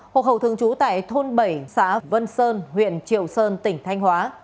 hộ khẩu thường trú tại thôn bảy xã vân sơn huyện triệu sơn tỉnh thanh hóa